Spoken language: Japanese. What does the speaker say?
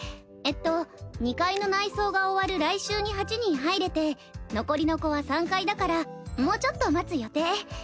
えっと２階の内装が終わる来週に８人入れて残りの子は３階だからもうちょっと待つ予定。